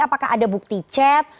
apakah ada bukti chat